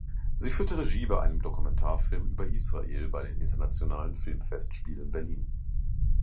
Sie führte Regie bei einem Dokumentarfilm über Israel bei den Internationalen Filmfestspielen Berlin.